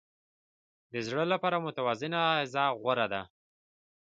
د زړه لپاره متوازنه غذا غوره ده.